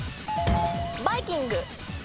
バイキング。